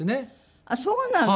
あっそうなの。